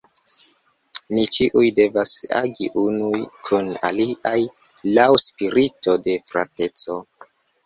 Ni ĉiuj devas agi unuj kun aliaj laŭ spirito de frateco.